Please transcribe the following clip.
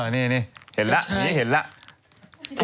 นี่เห็นละ